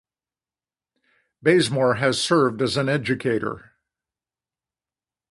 Bazemore has served as an educator.